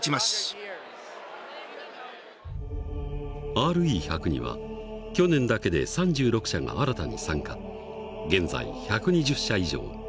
ＲＥ１００には去年だけで３６社が新たに参加現在１２０社以上。